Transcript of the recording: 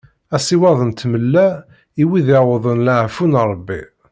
Asiweḍ n tmella i wid yewwḍen leɛfu n Rebbi.